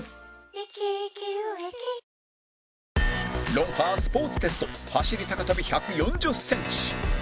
『ロンハー』スポーツテスト走り高跳び１４０センチ